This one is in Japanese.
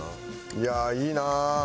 いやーいいなあ。